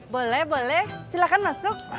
boleh boleh silahkan masuk